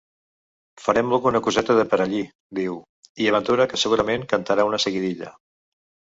Farem alguna coseta de per allí, diu, i aventura que segurament cantarà una seguidilla.